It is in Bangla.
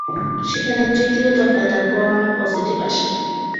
সেখানে তৃতীয় দফায় তাঁর করোনা পজিটিভ আসে।